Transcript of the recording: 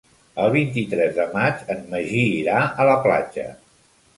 El vint-i-tres de maig en Magí irà a la platja.